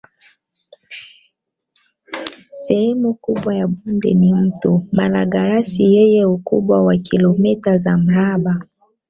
Sehemu kubwa ya bonde ni Mto Malagarasi yenye ukubwa wa Kilometa za mraba